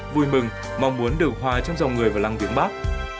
vui mừng mong muốn được hòa trong dòng người vào lăng viếng bắc